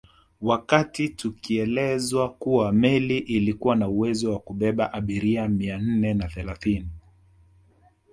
Wakati tukielezwa kuwa meli ilikuwa na uwezo wa kubeba abiria mia nne na thelathini